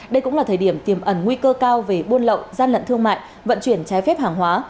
đây cũng là thời điểm tiềm ẩn nguy cơ cao về buôn lậu gian lận thương mại vận chuyển trái phép hàng hóa